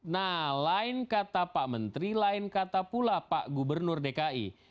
nah lain kata pak menteri lain kata pula pak gubernur dki